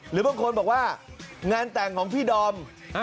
หรือบางคนบอกว่างานแต่งของพี่ดอม